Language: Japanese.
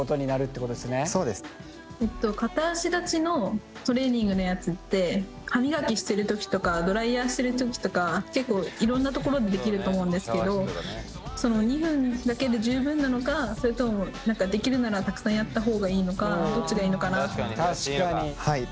片足立ちのトレーニングのやつって歯磨きしてる時とかドライヤーしてる時とか結構いろんな所でできると思うんですけどその２分だけで十分なのかそれともできるならたくさんやった方がいいのかどっちがいいのかなって。